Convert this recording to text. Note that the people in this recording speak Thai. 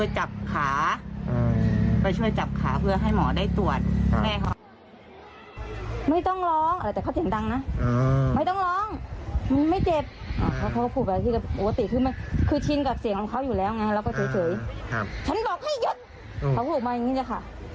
ฉันบอกให้หยุดเขาก็ออกมาอย่างนี้เลยค่ะ